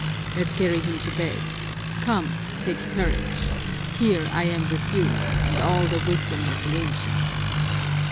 Let's carry him to bed. Come, take courage! Here I am with you and all the wisdom of the ancients.